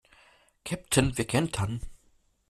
Käpt'n, wir kentern!